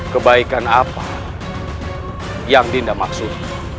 kebaikan apa yang dinda maksud